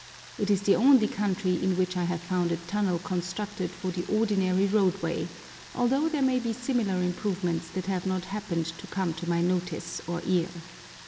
It is the only country in which I have found a tunnel constructed for the ordinary roadway, although there may be similar improvements that have not happened to come to my notice or ear.